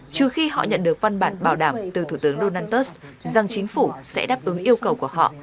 trừ khi họ nhận được văn bản bảo đảm từ thủ tướng donald trump rằng chính phủ sẽ đáp ứng yêu cầu của họ